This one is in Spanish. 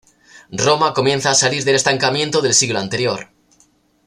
Roma comienza a salir del estancamiento del siglo anterior.